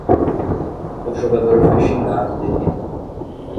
O jogador foi xingado de viado.